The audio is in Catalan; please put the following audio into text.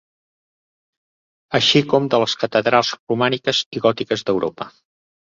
Així com de les catedrals romàniques i gòtiques d’Europa.